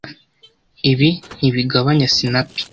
Ibi ntibigabanya sinapi.